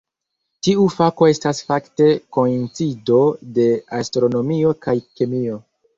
Tiu fako estas fakte koincido de astronomio kaj kemio.